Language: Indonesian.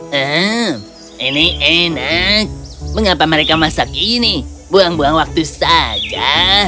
hmm ini enak mengapa mereka masak ini buang buang waktu saja